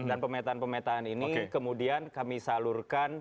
dan pemetaan pemetaan ini kemudian kami salurkan